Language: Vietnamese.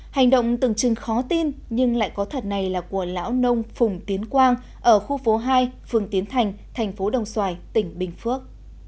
hành động từng chừng khó tin nhưng lại có thật này là của lão nông phùng tiến quang ở khu phố hai phường tiến thành thành phố đồng xoài tỉnh bình phước